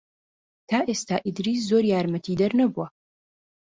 تا ئێستا ئیدریس زۆر یارمەتیدەر نەبووە.